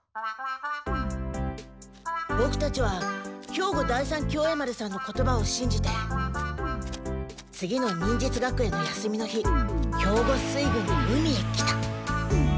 ボクたちは兵庫第三協栄丸さんの言葉をしんじて次の忍術学園の休みの日兵庫水軍の海へ来た。